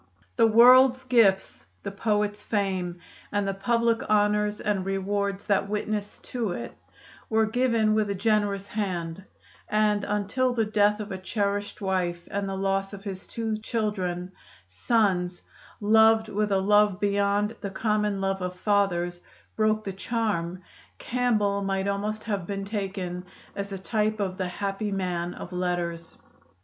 The world's gifts the poet's fame, and the public honors and rewards that witnessed to it were given with a generous hand; and until the death of a cherished wife and the loss of his two children sons, loved with a love beyond the common love of fathers broke the charm, Campbell might almost have been taken as a type of the happy man of letters.